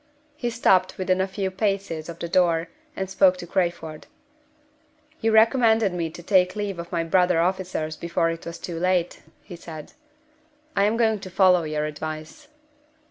He stopped within a few paces of the door, and spoke to Crayford. "You recommended me to take leave of my brother officers before it was too late," he said. "I am going to follow your advice."